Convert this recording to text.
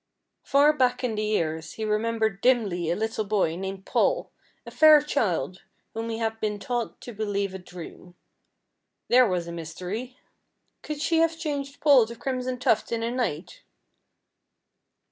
Far back in the years he remembered dimly a little boy, named Paul, a fair child, whom he had been taught to believe a dream. There was a mystery. Could she have changed Paul to Crimson Tuft in a night?